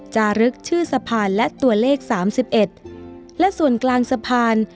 จารึกชื่อสะพานและตัวเลข๓๑และส่วนกลางสะพาน